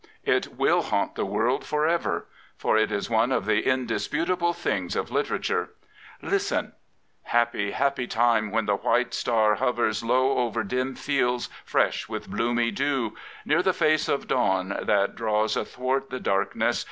It will haunt the world for ever. For it is one of the indisputable things of literature. Listen; Happy, happy time when the white star hovers Low over dim fields fresh with bloomy dew, Near the face of dawn that draws athwart the darkness.